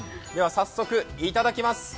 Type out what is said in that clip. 早速、いただきます。